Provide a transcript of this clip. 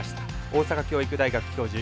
大阪教育大学教授